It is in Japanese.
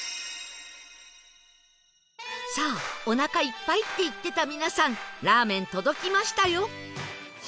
さあお腹いっぱいって言ってた皆さんラーメン届きましたよ